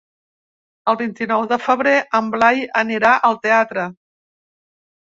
El vint-i-nou de febrer en Blai anirà al teatre.